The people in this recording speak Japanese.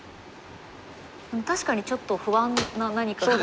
確かにちょっと不安な何かが。